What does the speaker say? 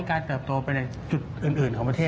เติบโตไปในจุดอื่นของประเทศ